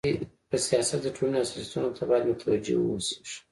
په سیاست کي د ټولني حساسيتونو ته بايد متوجي و اوسيږي.